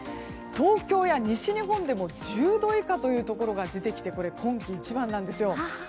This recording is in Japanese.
東京や西日本でも１０度以下というところが出てきてこれ、今季一番なんですよ。